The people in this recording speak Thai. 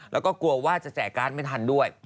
แล้วก็กลัวว่าจะแจกการ์ดไม่ทันด้วย